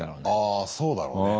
ああそうだろうね。